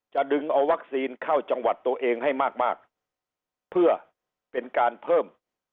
ดึงเอาวัคซีนเข้าจังหวัดตัวเองให้มากมากเพื่อเป็นการเพิ่ม